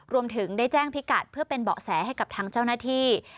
รวมถึงได้แจ้งพิกัดเพื่อเป็นเบาะแสให้กับทางเจ้าหน้าที่